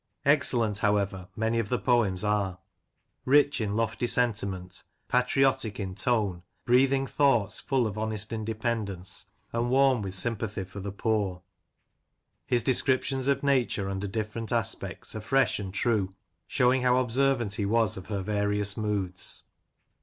Excellent, however, many of the poems are ; rich in lofty sentiment; patriotic in tone; breathing thoughts full of honest independence, and warm with sympathy for the poor. His descriptions of Nature under different aspects are fresh and true, showing how observant he was of her various moods.